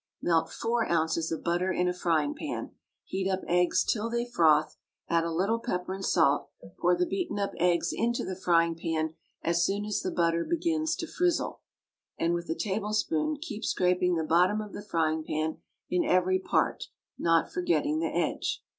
Melt four ounces of butter in a frying pan, heat up six eggs till they froth; add a little pepper and salt, pour the beaten up eggs into the frying pan as soon as the butter begins to frizzle, and with a tablespoon keep scraping the bottom of the frying pan in every part, not forgetting the edge.